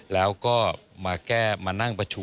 แล้วก็มาแก้มานั่งประชุม